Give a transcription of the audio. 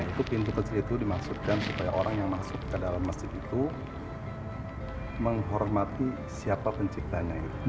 itu pintu kecil itu dimaksudkan supaya orang yang masuk ke dalam masjid itu menghormati siapa penciptanya itu